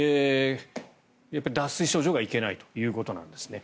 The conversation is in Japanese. やっぱり脱水症状がいけないということですね。